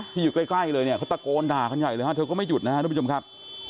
อยู่ใกล้เลยเนี่ยเขาตะโกนด่ากันใหญ่เลยฮะเธอก็ไม่หยุดนะครับทุกผู้ชมครับ